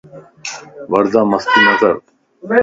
وردا مستي نڪر